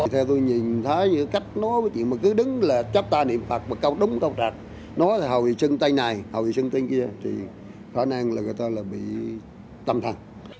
theo tôi nhìn thấy cách nó cứ đứng là chấp ta niệm phạt một câu đúng câu rạc nó hầu vì chân tay này hầu vì chân tay kia thì khả năng là người ta bị tâm thần